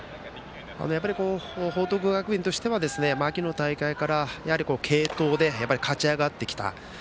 報徳学園としては秋の大会から継投で勝ち上がってきた。